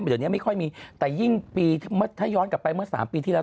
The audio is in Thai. เดี๋ยวนี้ไม่ค่อยมีแต่ยิ่งปีถ้าย้อนกลับไปเมื่อ๓ปีที่แล้ว